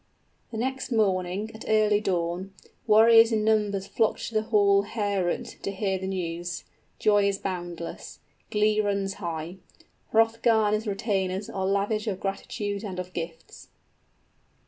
_ _The next morning, at early dawn, warriors in numbers flock to the hall Heorot, to hear the news. Joy is boundless. Glee runs high. Hrothgar and his retainers are lavish of gratitude and of gifts.